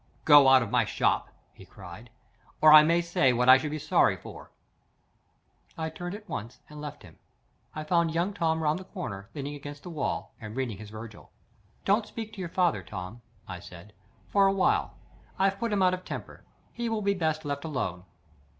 "Go out of my shop," he cried; "or I may say what I should be sorry for." I turned at once and left him. I found young Tom round the corner, leaning against the wall, and reading his Virgil. "Don't speak to your father, Tom," I said, "for a while. I've put him out of temper. He will be best left alone."